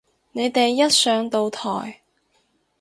你哋一上到台